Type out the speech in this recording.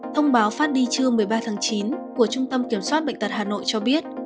thông báo phát đi trưa một mươi ba tháng chín của trung tâm kiểm soát bệnh tật hà nội cho biết